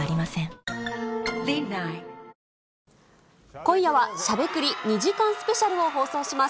今夜はしゃべくり２時間スペシャルを放送します。